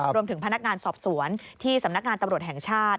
พนักงานสอบสวนที่สำนักงานตำรวจแห่งชาติ